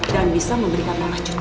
dan bisa memberikan mama cucu